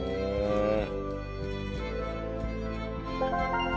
へえ！